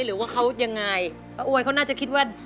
หรือว่าเขายังไงป้าอ้วนเขาน่าจะคิดว่า